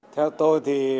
theo tôi thì